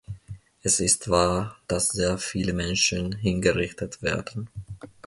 Es ist wahr, dass sehr viele Menschen hingerichtet werden.